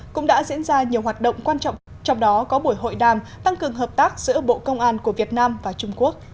cũng đã diễn ra nhiều hoạt động quan trọng trong đó có buổi hội đàm tăng cường hợp tác giữa bộ công an của việt nam và trung quốc